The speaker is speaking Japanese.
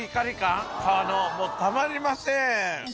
皮のもうたまりません！